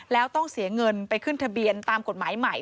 แล้วต้องเสียเงินไปขึ้นทะเบียนตามกฎหมายใหม่